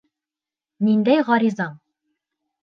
Ниндәй ғаризаң?..